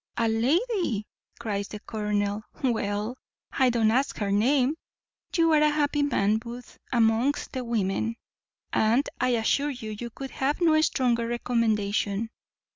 "A lady!" cries the colonel; "well, I don't ask her name. You are a happy man, Booth, amongst the women; and, I assure you, you could have no stronger recommendation.